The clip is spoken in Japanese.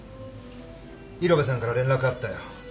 色部さんから連絡あったよ。